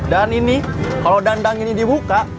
dan ini kalau dandang ini dibuka